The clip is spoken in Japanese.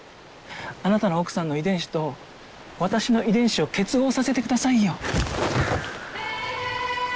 あなたの奥さんの遺伝子と私の遺伝子を結合させてくださいよ。